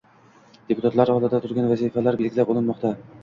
Deputatlar oldida turgan vazifalar belgilab olinmoqdang